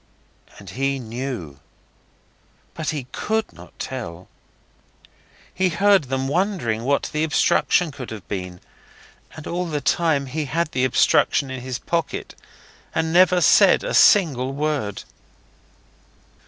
And he KNEW, but he COULD not tell. He heard them wondering what the obstruction could have been, and all the time he had the obstruction in his pocket, and never said a single word.